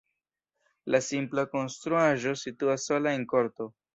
La simpla konstruaĵo situas sola en korto.